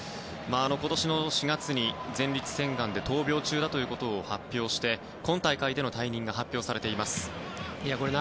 今年の４月に前立腺がんで闘病中だということを発表して、今大会での退任が発表されています。